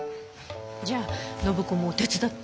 じゃあ暢子も手伝って。